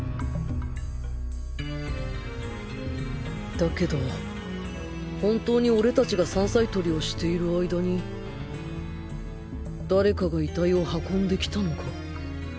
だけど本当に俺達が山菜採りをしている間に誰かが遺体を運んで来たのか？